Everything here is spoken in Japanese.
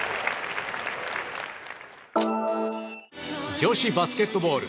女子バスケットボール。